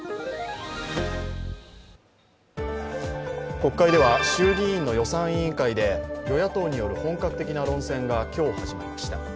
国会では衆議院の予算委員会で与野党による本格的な論戦が今日、始まりました。